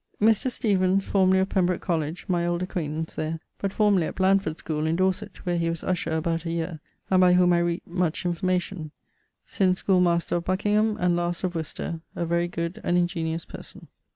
Mr. Steevens, formerly of Pembrocke College, my old acquaintance there; but formerly at Blandford schole in Dorset, where he was usher about a yeare and by whom I reap't much information: since schoolemaster of Buckingham; and last, of Worcester: a very good and ingeniose person.